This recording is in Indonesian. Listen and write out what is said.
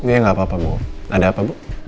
iya gak apa apa bu ada apa bu